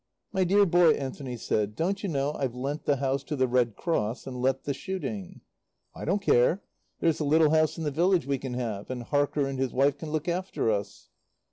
"My dear boy," Anthony said, "don't you know I've lent the house to the Red Cross, and let the shooting?" "I don't care. There's the little house in the village we can have. And Harker and his wife can look after us."